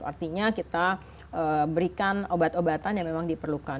artinya kita berikan obat obatan yang memang diperlukan